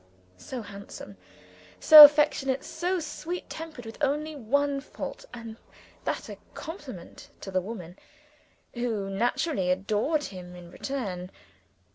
So handsome, so affectionate, so sweet tempered; with only one fault and that a compliment to the women, who naturally adored him in return!